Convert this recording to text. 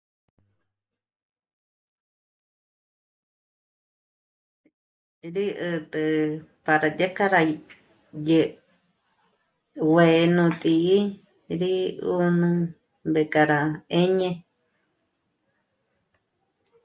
Rí 'ä̀t'ä para dyék'a rá dyé ngué'e yó t'ǐ'i, rí 'ùnü mbé k'a rá 'éñe